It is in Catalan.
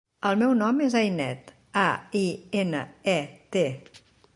El meu nom és Ainet: a, i, ena, e, te.